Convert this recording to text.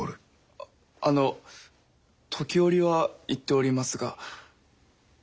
ああの時折は行っておりますが。